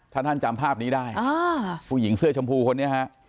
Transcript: ถ้าท่านจำภาพนี้ได้ผู้หญิงเสื้อชมพูคนนี้ฮะ